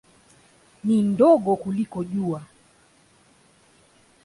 Ni ndogo kuliko Jua.